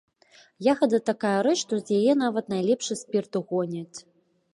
Ягада такая рэч, што з яе нават найлепшы спірт гоняць.